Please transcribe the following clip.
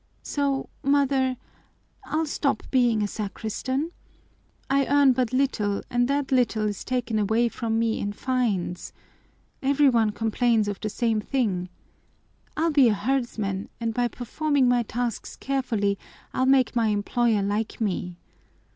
So, mother, I'll stop being a sacristan. I earn but little and that little is taken away from me in fines. Every one complains of the same thing. I'll be a herdsman and by performing my tasks carefully I'll make my employer like me.